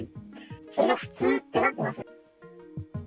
それが普通になってますね。